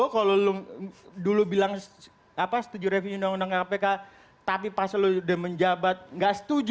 kalau dulu bilang setuju revisi undang undang kpk tapi pas lo udah menjabat nggak setuju